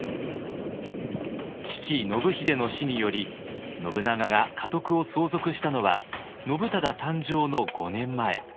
父信秀の死により信長が家督を相続したのは信忠誕生の５年前。